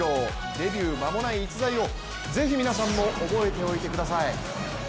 デビュー間もない逸材を是非皆さんも覚えておいてください。